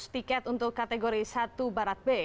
dua ratus tiket untuk kategori satu barat b